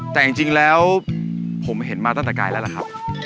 แต่จริงแล้วผมเห็นมาตั้งแต่ไกลแล้วล่ะครับ